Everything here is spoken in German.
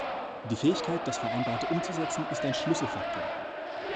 Die Fähigkeit, das Vereinbarte umzusetzen, ist ein Schlüsselfaktor.